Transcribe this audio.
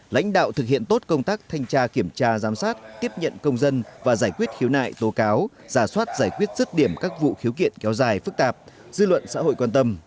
lãnh đạo thực hiện tốt công tác thanh tra kiểm tra giám sát tiếp nhận công dân và giải quyết khiếu nại tố cáo giả soát giải quyết rứt điểm các vụ khiếu kiện kéo dài phức tạp dư luận xã hội quan tâm